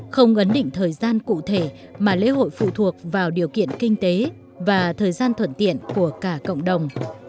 không ấn định thời gian cụ thể mà lễ hội phụ thuộc vào điều kiện kinh tế và thời gian thuận tiện của cả cộng đồng